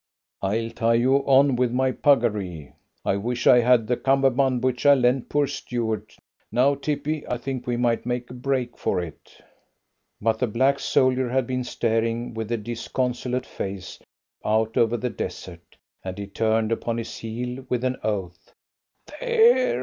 "I'll tie you on with my puggaree. I wish I had the cummerbund which I lent poor Stuart. Now, Tippy, I think we might make a break for it!" But the black soldier had been staring with a disconsolate face out over the desert, and he turned upon his heel with an oath. "There!"